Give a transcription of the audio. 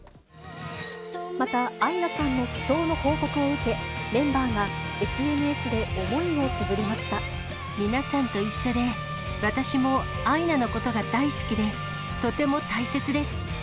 またアイナさんの負傷の報告を受け、メンバーがＳＮＳで思いをつ皆さんと一緒で、私もアイナのことが大好きで、とても大切です。